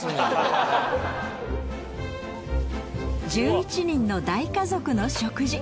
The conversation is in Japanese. １１人の大家族の食事。